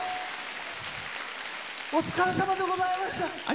お疲れさまでございました。